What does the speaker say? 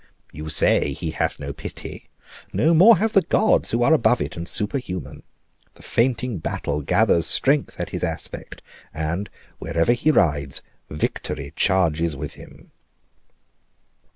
You say he hath no pity; no more have the gods, who are above it, and superhuman. The fainting battle gathers strength at his aspect; and, wherever he rides, victory charges with him."